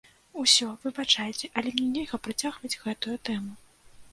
Усё, выбачайце, але мне нельга працягваць гэтую тэму.